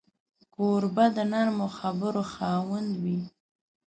کوربه د نرمو خبرو خاوند وي.